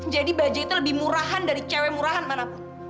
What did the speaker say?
jadi baja itu lebih murahan dari cewek murahan manapun